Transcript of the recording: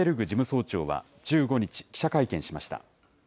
事務総長は、１５日、記者会見しました。